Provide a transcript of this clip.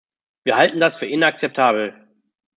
Wir halten das für inakzeptabel.